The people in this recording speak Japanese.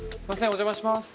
お邪魔します